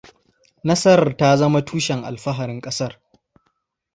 Nasarar ta zama tushen alfaharin ƙasar.